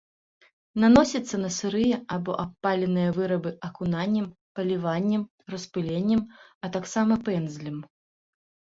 Наносіцца на сырыя або абпаленыя вырабы акунаннем, паліваннем, распыленнем, а таксама пэндзлем.